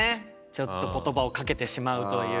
ちょっと言葉をかけてしまうという。